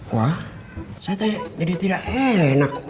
wah saya jadi tidak enak